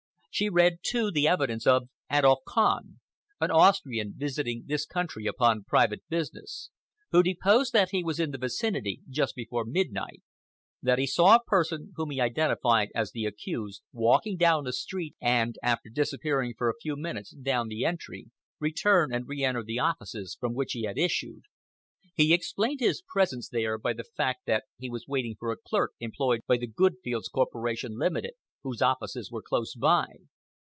She read, too, the evidence of Adolf Kahn, an Austrian visiting this country upon private business, who deposed that he was in the vicinity just before midnight, that he saw a person, whom he identified as the accused, walking down the street and, after disappearing for a few minutes down the entry, return and re enter the offices from which he had issued. He explained his presence there by the fact that he was waiting for a clerk employed by the Goldfields' Corporation, Limited, whose offices were close by.